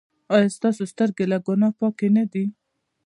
ایا ستاسو سترګې له ګناه پاکې نه دي؟